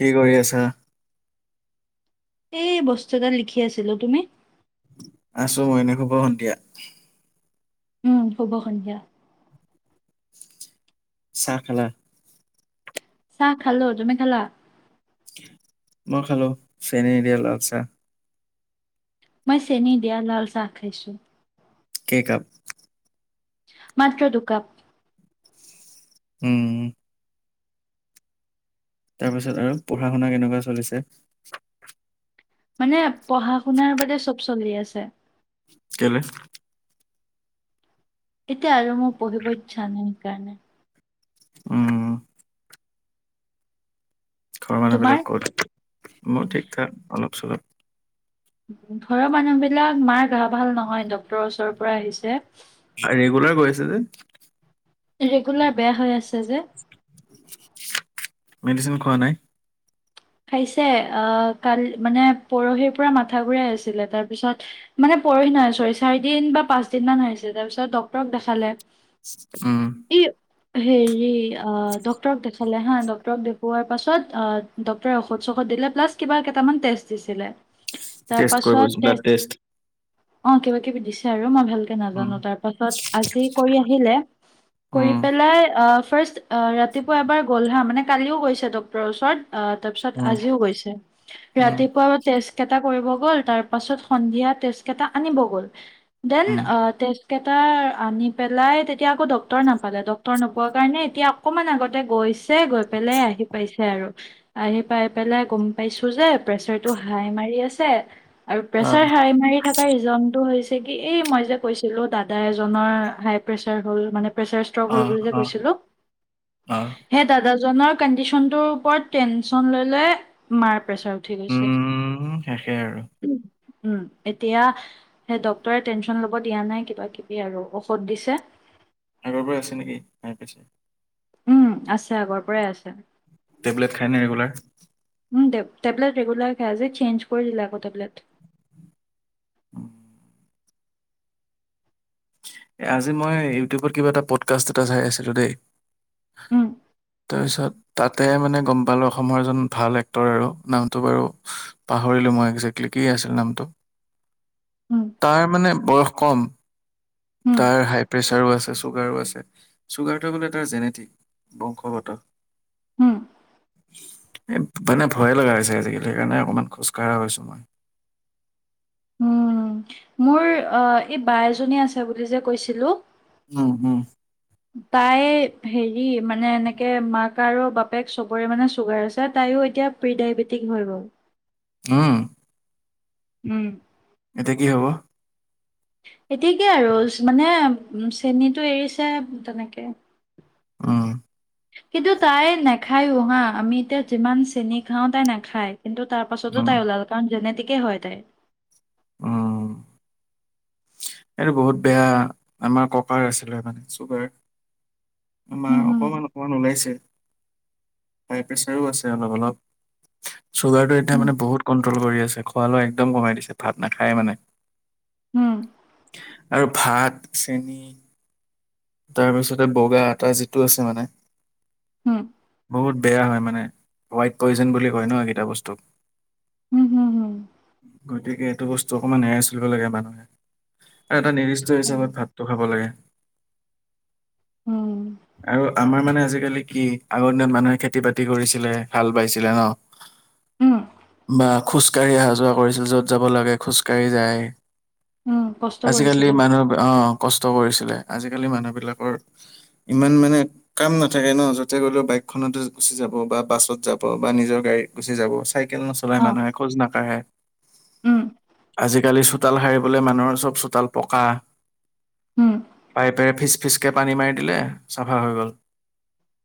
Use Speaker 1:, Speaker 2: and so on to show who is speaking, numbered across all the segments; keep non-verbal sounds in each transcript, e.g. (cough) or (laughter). Speaker 1: কি কৰি আছা।
Speaker 2: এই বস্তু তাল লিখি আছিলো তুমি।
Speaker 1: আছোঁ মইনখুব সন্ধিয়া।
Speaker 2: উম শুব সন্ধিয়া।
Speaker 1: চাহ খেলা।
Speaker 2: চাহ খাল তুমি খালা।
Speaker 1: মই খালো চ্ৰেণী দিয়াল আছা।
Speaker 2: মই চেনি দিয় লাল চা খৈছো।
Speaker 1: কেকআপ।
Speaker 2: মাত্ৰ দুকাপ।
Speaker 1: উম। তাৰপিছত আৰু পঢ়া শুনা কেনেকুৱা চলিছে।
Speaker 2: মানে পঢ়া শুনাৰ বাদ চব চলি আছে।
Speaker 1: কেলে।
Speaker 2: এতিয়া আৰু মোৰ পঢ়িবইছা নাই কাৰণে।
Speaker 1: উম। ঘৰৰ
Speaker 2: তোমাৰ
Speaker 1: মানুহবিলাক ক'ত মোৰ ঠিক থাক অলপ চলপ।
Speaker 2: ঘৰৰ মানুহ বিলাক মাৰ গা ভাল নহয় ডক্তৰৰ ওচৰৰ পৰা আহিছে।
Speaker 1: ৰেগুলাৰ গৈ আছে যে।
Speaker 2: ৰেগুলাৰ বেয়া হৈ আছে যে।
Speaker 1: মেডিচিন খোৱা নাই।
Speaker 2: খাইছে অ কালি মানে পৰহিৰ পৰা মাথা ঘুৰাই আছিলে তাৰ পিছত মানে। পৰহি নহয় চাৰিদিন বা পাঁচ দিন মান হৈছে তাৰ পিছত ডকক্তৰক দেখালে।
Speaker 1: উম।
Speaker 2: এই হেৰি ডক্টৰক দেখালে হা ডক্টৰক দেখুওৱাৰ পাছত ড। ঔষধ চৌষধ দিলে প্লাছ কিবা কেইটামান টেষ্ট দিছিলে। তাৰ
Speaker 1: টেষ্ট কৰিব
Speaker 2: পাছত
Speaker 1: গৈছো
Speaker 2: তেজ
Speaker 1: ব্লাড টেষ্ট।
Speaker 2: অ কিবা কিবি দিছে আৰু ম। ভালকে
Speaker 1: উম,
Speaker 2: নাজানো তাৰ পাছত আজি কৰি আহিলে কৰি
Speaker 1: উম,
Speaker 2: পেলাই আহ। ফাৰ্ষ্ট ৰাতিপুৱা এবাৰ গলহা মানে কালিও গৈছে ডক্টৰৰ ওচৰত। তাৰ পিছত
Speaker 1: উম,
Speaker 2: আজিও গৈছে
Speaker 1: উম,
Speaker 2: ৰাতিপুৱা তেজ কেইটা। কৰিব গল তাৰ পাছত সন্ধিয়া তেজ কেইটা আনিব গ'ল বেন
Speaker 1: উম,
Speaker 2: আ। কেইটা আনি পেলাই তেতিয়া আকৌ ডক্টৰ নাপালে ডক্টৰ নোপোৱাৰ কাৰণে এতিয়া অকণমান আগতে গৈছে। গৈ পেলাই আহি পাইছে আৰু। আহি পাই পেলাই গম পাইছো যে প্ৰেচাৰটো হাই মাৰি আছে। আৰু প্ৰেছাৰ
Speaker 1: অ',
Speaker 2: হাই মাৰি থকা ৰিজনটো হৈছে কি এই মই যে কৈছিলো দাদা এজনৰ হাই প্ৰেচাৰ হ'ল মানে। পেছাৰ ইস্তক হ'ল
Speaker 1: অ',
Speaker 2: বুলি
Speaker 1: অ',
Speaker 2: কৈছিলো
Speaker 1: অ',
Speaker 2: সেই দাদাজনৰ কডিচনটো ওপৰত। টেনচন লৈ লৈ মাৰ প্ৰেছাৰ উঠি গৈছে।
Speaker 1: উম, শেষে আৰু।
Speaker 2: উ এতিয়া সেই ডক্তৰে টেনচন ল'ব দিয়া নাই কিবা কিবি আৰু ঔষধ দিছে।
Speaker 1: আগৰ পৰা আছে নেকি? নাই পিছে।
Speaker 2: উম আছে আগৰ পৰাই আছে।
Speaker 1: টেবলেট খায়নে ৰেগুলাৰ।
Speaker 2: উম টেবলেট ৰেগুলাৰ খাই আজি চেঞ্জ কৰি দিলে আকৌ টেবলেট।
Speaker 1: উম। আজি মই ইউটিউবত কিবা এটা পডকাষ্ট এটা চাই আছিলোঁ দেই।
Speaker 2: উম
Speaker 1: তাৰপিছত তাতে মানে গম পালো অসমৰ এজন ভাল এক্টৰ আৰু নামটো বাৰু পাহৰিলো। কি আছিল নামটো।
Speaker 2: উম
Speaker 1: তাৰ মানে বয়স কম
Speaker 2: উম
Speaker 1: তাৰ হাই প্ৰেছাৰো আছে চুগাৰো আছে। চুগাৰটো বোলে তাৰ জেনেটিক বংশগত
Speaker 2: উম
Speaker 1: মানে ভাল ভয়ে লগা হৈছে আজিকালি সেইকাৰণে অকনমান খোজকাঢ়া হৈছোঁ মই।
Speaker 2: উম মোৰ অহঁ এই বা এজনী আছে বুলি যে কৈছিলোঁ
Speaker 1: উম উম।
Speaker 2: তাই হেৰি মানে এনেকে মাক আৰু বাপেক চবৰে মানে চুগাৰ আছে তাইও। প্ৰিডাইবেটিক হৈ গল
Speaker 1: ওহঁ।
Speaker 2: উম।
Speaker 1: এতিয়া কি হব।
Speaker 2: এতিয়া কি আৰু মানে চেনীটো এৰিছে তেনেকে
Speaker 1: উম
Speaker 2: কিন্তু তাই না খাইও হাঁ আমি এতিয়া যিমান চেনি খাওঁ তাই নাখায় কিন্তু তাৰ পাছতো
Speaker 1: উম
Speaker 2: তাই ওলাল কাৰণ জেনেটিক হেনেকে হয় তাই
Speaker 1: অহঁ। এইটো বহুত বেয়া আমাৰ ককাঁৰ আছিলে মানে চুগাৰ আমাৰ
Speaker 2: উম
Speaker 1: অকমান অকমান ওলাইছে প্ৰেচাৰ আছে অলপ অলপ চুগাৰটো এতিয়া
Speaker 2: হম
Speaker 1: মানে বহুত কণ খোৱা লৈ একদম কমাই দিছে ভাত নাখায় মানে
Speaker 2: উম।
Speaker 1: আৰু ভাত চেনি তাৰপিছতে বগা আটা যিটো আছে মানে
Speaker 2: হম।
Speaker 1: বহুত বেয়া হয় মানে ৱাইট পয়জন বুলি কয় নহঁ এইকেইটা বস্তুক
Speaker 2: উম হম হম
Speaker 1: গতিকে এইটো বস্তু অকণমান এৰেষ্ট লব লাগে মানুহে আৰু এটা নিৰ্দিষ্ট
Speaker 2: হম হম
Speaker 1: হিচাপত ভাতটো খাব লাগে।
Speaker 2: উম
Speaker 1: আৰু আমাৰ মানে আজিকালি কি আগৰ দিন মানুহে খেতি বাতি কৰিছিলে ভাল পাইছিলে নহঁ
Speaker 2: উম।
Speaker 1: বা খোজকাঢ়ি অহা যোৱা কৰিছিল য'ত যাব লাগে খোজকাাঢ়ি যায়।
Speaker 2: উম কষ্ট
Speaker 1: আজিকালি
Speaker 2: কৰিছিলে
Speaker 1: মানুহে আহ কষ্ট কৰিছিলে আজি আজিকালি মানুহ বিলাকৰ ইমান মানে কাম নাথাকে ন য'তে গ'লেও বাইকখনত গুচি যাব বাছত যাব বা নিজৰ গাড়ীত গুচি যাব চাইকেল নচলাই
Speaker 2: অ
Speaker 1: মানুহে খোজ নাকাঢ়ে
Speaker 2: উম
Speaker 1: আজিকালি চোতাল সাৰিবলৈ মানুহৰ চব চোতাল পকাঁ।
Speaker 2: উম
Speaker 1: পাইপেৰে ফিচ ফিচকে পানী মাৰি দিলে চাফা হৈ গ'ল।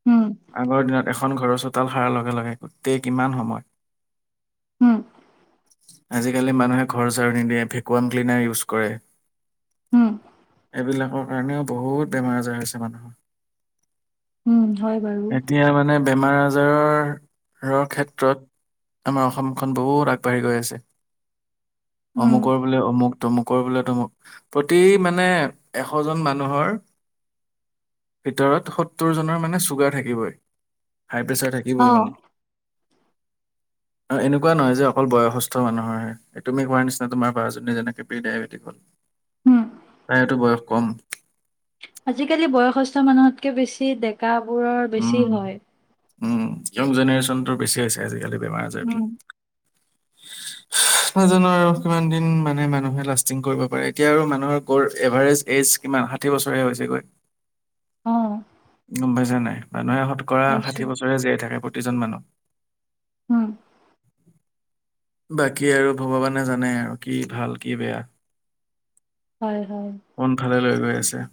Speaker 2: উম
Speaker 1: আগৰ দিনত এখন ঘৰৰ চোতাল সাৰ লগে লগে গোটেই কিমান সময়। (inaudible)
Speaker 2: উম
Speaker 1: আজিকালি মানুহে ঘৰ জাৰু নিদিয়ে ভেকুৱাম ক্লিনাৰ ইউজ কৰে।
Speaker 2: উম
Speaker 1: এইবিলাকৰ কাৰণেও বহুত বেমাৰ আজাৰ হৈছে
Speaker 2: উম হয় বাৰু
Speaker 1: মানুহৰ এতিয়া মানে বেমাৰ আজাৰ বজাৰৰ ক্ষেত্ৰত আমাৰ অসমখন বহুত আগবাঢ়ি গৈ আছে
Speaker 2: উম
Speaker 1: অমুকৰ বোলে অমুক তমুকৰ বোলে তমুক প্ৰতি মানে এ এশজন মানুহৰ ভিতৰত সত্তৰজনৰ মানে চুগাৰ থাকিবই হাই প্ৰেছাৰ থাকিবই
Speaker 2: অ
Speaker 1: মানে অ এনেকুৱা নহয় যে অকল বয়সস্থ মানুহৰ আহে তুমি কোৱাৰ নিচিনা তোমাৰ বা জনী যেনেকে প্ৰি ডায়বেটিক হ'ল
Speaker 2: উম,
Speaker 1: প্ৰায়তো বয়স কম
Speaker 2: আজিকালি বয়সস্থ মানুহতকৈ বেছি ডেকাবোৰৰ
Speaker 1: উম
Speaker 2: বেছি হয়।
Speaker 1: উম, য়ং জেনেৰেশনতটোৰ বেছি হৈছে আজিকালি বেমাৰ
Speaker 2: উম।
Speaker 1: আজাৰবিলাক। নাজানো আৰু কিমান দিন মানে মানুহে লাষ্টিং কৰিব পাৰে এতিয়া আৰু মানুহৰ এভাৰেজ এজ কিমান ষাঠি বছৰে হৈছেগৈ।
Speaker 2: অ'।
Speaker 1: গম পাইছা নাই মানুহে শত কৰা
Speaker 2: পাইছোঁ।
Speaker 1: ষাঠি বছৰে জীয়াই থাকে প্ৰতিজন মানুহ।
Speaker 2: উম,
Speaker 1: বাকী আৰু ভগৱানে জানে আৰু কি ভাল কি বেয়া।
Speaker 2: হয়, হয়,
Speaker 1: কোনফালে লৈ গৈ আছে।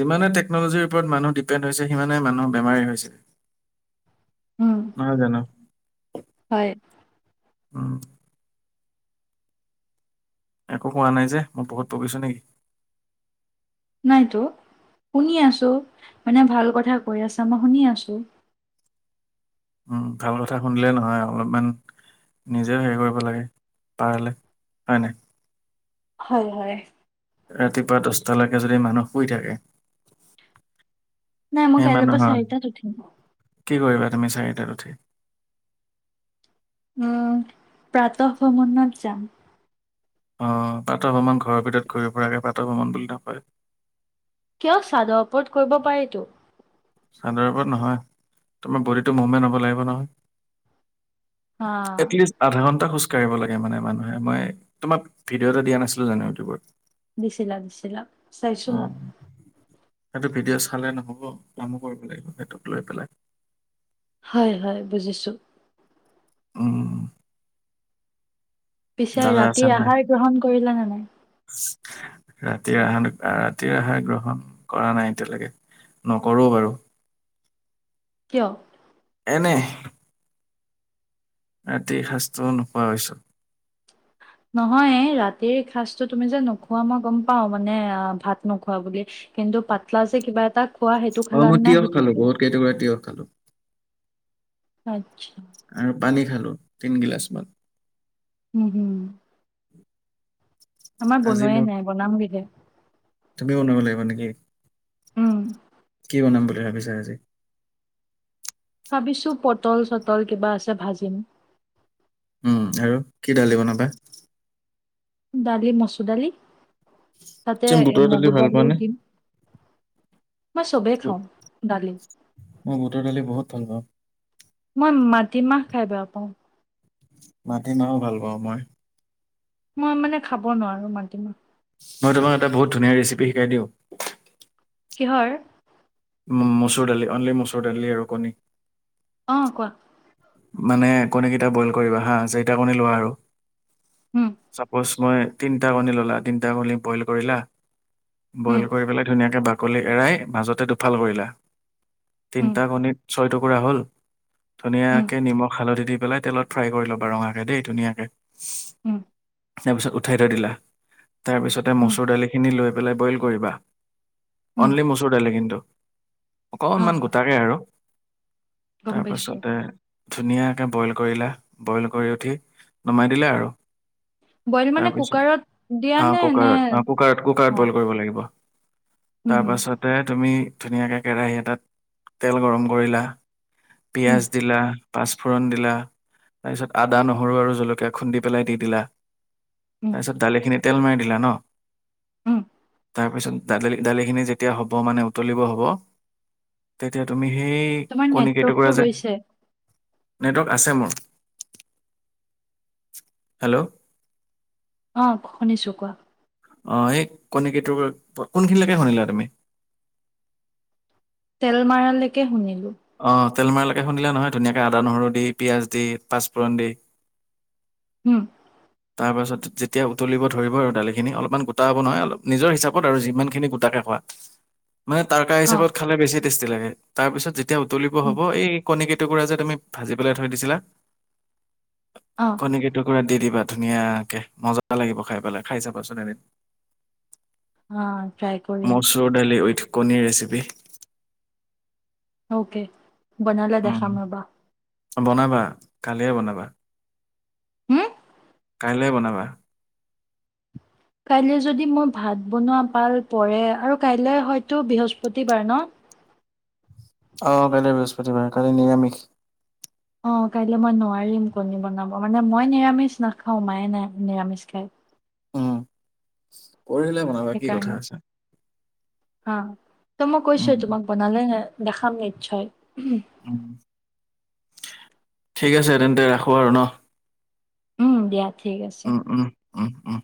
Speaker 1: যিমানে টেকনলজিৰ ওপৰত মানুহ ডিপেণ্ড হৈছে সিমানেই মানুহৰ বেমাৰি হৈছে।
Speaker 2: উম,
Speaker 1: অহ, জানো।
Speaker 2: হয়,
Speaker 1: উম, একো কোৱা নাই যে মই বহুত বকিছো নেকি?
Speaker 2: নাইতো। শুনি আছো মানে ভাল কথা কৈ আছা মই শুনি আছো।
Speaker 1: উম, ভাল কথা শুনিলে নহয় অলপমান নিজেও হেৰি কৰিব লাগে পাৰালে হয় নাই।
Speaker 2: হয়-হয়
Speaker 1: ৰাতিপুৱা দচটালৈকে যদি মানুহ শুই থাকে
Speaker 2: নাই মই
Speaker 1: সেই
Speaker 2: কাইলৈৰ পৰা
Speaker 1: মানুহৰ
Speaker 2: চাৰিটাত উঠিম।
Speaker 1: কি কৰিবা? আমি চাৰিটাত উঠি
Speaker 2: উম, প্ৰাত ভ্ৰমনত যাম।
Speaker 1: অহ, প্ৰাত ভ্ৰমণ ঘৰৰ ভিতৰত ঘূৰি ফুৰাকে ভ্ৰমণ বুলি নকয়।
Speaker 2: কিয়? চাদৰ ওপৰত কৰিব পাৰিতো।
Speaker 1: চাদৰ ওপৰত নহয় তোমাৰ বডিটো মুভমেণ্ট হ'ব লাগিব
Speaker 2: হা,
Speaker 1: নহয়। এটলিষ্ট আধা ঘণ্টা খোজ কাঢ়িব লাগে মানে মানুহে মই তোমাক ভিডিঅ' এটা দিয়া নাছিলো জানো ইউটিউবত।
Speaker 2: দিছিলা - দিছিলা চাইছো মই।
Speaker 1: খালে নহ'ব কামো কৰিব লাগিব সিহঁতক লৈ পেলাই।
Speaker 2: হয় -হয় বুজিছো।
Speaker 1: উম
Speaker 2: পিছে
Speaker 1: দাদা আছে
Speaker 2: ৰাতিৰ
Speaker 1: নাই
Speaker 2: আহাৰ গ্ৰহণ কৰিলা নে নাই?
Speaker 1: ৰাতিৰ আহাৰ - ৰাতিৰ আহাৰ গ্ৰহণ কৰা নাই এতিয়ালৈকে। নকৰো বাৰু।
Speaker 2: কিয়?
Speaker 1: এনে। ৰাতি শাস্ত্ৰও নোপোৱা হৈছোঁ।
Speaker 2: নহয় এ ৰাতিৰ সাজটো তুমি যে নোখোৱা মই গম পাও মানে অহ ভাত নোখোৱা বুলি। কিন্তু পাতলা যে কিবা এটা খোৱা সেইটো
Speaker 1: অহ,
Speaker 2: খালা
Speaker 1: মই
Speaker 2: নে নাই
Speaker 1: তিয়হ খালো
Speaker 2: সুধিছো
Speaker 1: বহুত কেইটুকুৰা তিয়হ খালো।
Speaker 2: আতছা।
Speaker 1: আৰু পানী খালো তিন গিলাচমান।
Speaker 2: উম, হম। আমাৰ
Speaker 1: আজি
Speaker 2: বনোৱাই
Speaker 1: মোক
Speaker 2: নাই বনাম গে- গে।
Speaker 1: তুমি বনাব লাগিব নেকি?
Speaker 2: উম
Speaker 1: কি বনাম বুলি ভাবিছা আজি?
Speaker 2: ভাবিছো পটল- চটল কিবা আছে ভাজিম।
Speaker 1: উম, আৰু কি দালি বনাবা?
Speaker 2: দালি মচুৰ দালি তাতে
Speaker 1: তুমি বুটৰ দালি
Speaker 2: মগু
Speaker 1: ভাল পোৱা
Speaker 2: দালিও
Speaker 1: নে
Speaker 2: দিম। মই চবেই খাওঁ দালি
Speaker 1: মই বুটৰ দালি বহুত ভাল পাওঁ।
Speaker 2: মই মাটিমাহ খাই বেয়া পাওঁ।
Speaker 1: মাতিমাও ভাল পাওঁ মই।
Speaker 2: মই মানে খাব নোৱাৰো মাটিমাহ।
Speaker 1: মই তোমাক এটা বহুত ধুনীয়া ৰেচিপি শিকাই দিওঁ
Speaker 2: কিহৰ?
Speaker 1: মচুৰ দালি অনলি মচুৰ দালি আৰু কণী।
Speaker 2: অহ, কোৱা।
Speaker 1: মানে কণী কেইটা বইল কৰিবা হা চাৰিটা কণি লোৱা আৰু
Speaker 2: উম
Speaker 1: চাপজ মই তিনটা কণী ললা তিনটা কণী বইল কৰিলা
Speaker 2: উম
Speaker 1: বইল কৰি পেলাই ধুনীয়াকে বাকলি এৰাই মাজতে দুফাল কৰিলা
Speaker 2: উম
Speaker 1: তিনিটা কণীত ছয়টুকুৰা হ'ল ধুনীয়া
Speaker 2: উম
Speaker 1: কে নিমখ, হালধি দি পেলাই তেলত ফ্ৰাই কৰি ল'বা ৰঙাকে দেই ধুনীয়াকে
Speaker 2: উম
Speaker 1: তাৰপিছত উঠাই থৈ দিলা তাৰপিছতে
Speaker 2: উম
Speaker 1: মচুৰ দালিখিনি লৈ পেলাই বইল কৰিবা
Speaker 2: উম
Speaker 1: অনলি মচুৰ দালি কিন্তু
Speaker 2: অ
Speaker 1: অকনমান গোটাকে আৰু
Speaker 2: গম পাইছো
Speaker 1: তাৰপাছতে ধুনীয়াকে বইল কৰিলা বইল কৰি উঠি নমাই দিলা আৰু
Speaker 2: বইল মানে
Speaker 1: তাৰপিছত
Speaker 2: কুকাৰত দিয়া
Speaker 1: আহ
Speaker 2: নে নে
Speaker 1: কুকাৰত- আহ কুকাৰত-
Speaker 2: অ
Speaker 1: কুকাৰত বইল কৰিব লাগিব।
Speaker 2: উম
Speaker 1: তাৰ
Speaker 2: হুম
Speaker 1: পাছতে তুমি ধুনীয়াকে কেৰাহী এটাত তেল গৰম কৰিলা
Speaker 2: উম
Speaker 1: পিয়াজ দিলা পাছফোৰণ দিলা তাৰপিছত আদা নহৰু আৰু জলকীয়া খুন্দি পেলাই দি দিলা।
Speaker 2: উম
Speaker 1: তাৰপিছত দালিখিনি তেল মাৰি দিলা ন।
Speaker 2: উম।
Speaker 1: তাৰপিছত দি দালিখিনি যেতিয়া হ'ব মানে উতলিব হ'ব তেতিয়া তুমি সেই এই
Speaker 2: তোমাৰ
Speaker 1: কণী কেইটুকুৰা
Speaker 2: নেটৱৰ্কটো
Speaker 1: যে
Speaker 2: গৈছে
Speaker 1: নেটৱৰ্ক আছে মোৰ। হেল্ল'
Speaker 2: অ শুনিছো কোৱা।
Speaker 1: আহ এই কণিকেইটোকুৰা কোনখিনিলৈকে শুনিলা তুমি।
Speaker 2: তেলমাৰালকে শুনিলো।
Speaker 1: অ তেলমাৰলৈকে শুনিলা নহয় ধুনীয়াকৈ আদা নহৰু দি পিয়াজ দি পাঁচফোৰণ দি। (unintelligible)
Speaker 2: উম
Speaker 1: তাৰ পাছত যেতিয়া উতলিব ধৰিব আৰু দালিখিনি অলপমান গোটা হ'ব নহয় অলপ নিজৰ হিচাপত আৰু যিমান খিনি গোটা তাকে কোৱা। মানে তাৰকা
Speaker 2: অ
Speaker 1: হিচাপত খালে বেছি টেষ্টি লাগে তাৰ পিছত যেতিয়া উতলিব হব এই কণী টুকুৰা যে তুমি ভাজি পেলাই থৈ দিছিলা
Speaker 2: অ অ
Speaker 1: কণী কি টুকুৰা দি দিবা। ধুনীয়াকে মজা লাগিব খাই পেলাই খাই চাবাচোন এদিন।
Speaker 2: ট্ৰাই কৰিম
Speaker 1: মচুৰ দাইলি উইঠ কণীৰ ৰেচিপি
Speaker 2: অকে বনালা
Speaker 1: উম,
Speaker 2: দেখাম ৰবা।
Speaker 1: বনাবা কালিয়ে বনাবা।
Speaker 2: হম
Speaker 1: কাইলৈ বনাবা
Speaker 2: কাইলৈ যদি মোৰ ভাত বনোৱা পাল পৰে আৰু কাইলৈ হয়তো বৃহস্পতিবাৰ ন।
Speaker 1: আহ কাইলৈ বৃহস্পতিবাৰে কালি নিৰামিষ।
Speaker 2: অ কাইলৈ মই নোৱাৰিম কণী বনাব মানে মই নিৰামিষ নাখাওঁ মায়ে নাই নিৰামিষ খাই।
Speaker 1: উম পৰহিলে বনাবা কি কথা
Speaker 2: সেইকাৰণে
Speaker 1: আছে।
Speaker 2: অ ত মই কৈছোে
Speaker 1: উম।
Speaker 2: তোমাক বনালে নে দেখাম নিশ্চয়
Speaker 1: ঠিক আছে তেন্তে ৰাখো আৰু ন।
Speaker 2: উম দিয়া ঠিক আছে।
Speaker 1: উম, উম, উম উম